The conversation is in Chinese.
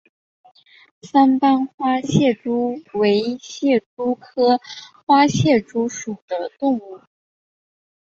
三斑花蟹蛛为蟹蛛科花蟹蛛属的动物。